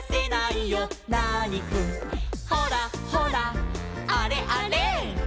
「ほらほらあれあれ」